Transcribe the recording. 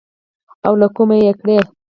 او له کومه يې کړې.